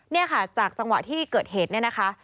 เนี่ยค่ะจากจังหวะที่เกิดเหตุเนี่ยนะคะ